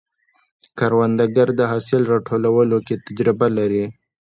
کروندګر د حاصل راټولولو کې تجربه لري